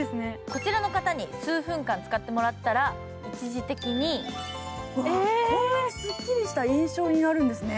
こちらの方に数分間使ってもらったらこんなにすっきりした印象になるんですね。